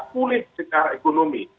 pulih secara ekonomi